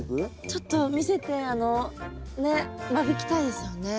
ちょっと見せてねっ間引きたいですよね。